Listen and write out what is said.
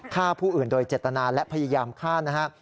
ฆ่าผู้อื่นโดยเจตนาและพยายามฆ่านะครับ